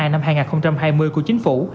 năm hai nghìn hai mươi của chính phủ